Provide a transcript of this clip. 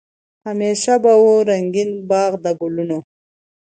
همېشه به وو رنګین باغ د ګلونو